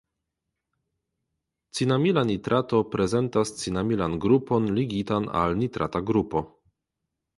Cinamila nitrato prezentas cinamilan grupon ligitan al nitrata grupo.